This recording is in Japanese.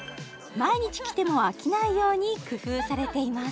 毎日来ても飽きないように工夫されています